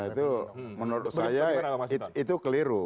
itu menurut saya itu keliru